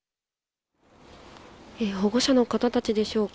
保護者の方たちでしょうか。